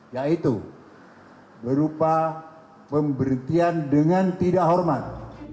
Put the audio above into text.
yaitu berupa pemberhentian dengan tidak hormat